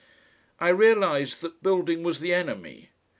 I realised that building was the enemy.